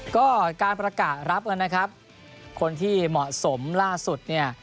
ก็การประกาศรับนะครับคนที่เหมาะสมล่าสุดเนี่ย